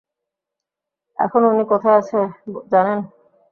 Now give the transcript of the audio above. এখন উনি কোথায় আছে জানেন?